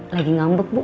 lagi ngambek bu